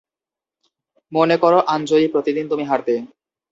মনে করো আঞ্জলি প্রতিদিন তুমি হারতে।